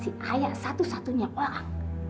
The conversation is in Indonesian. si ayah satu satunya orang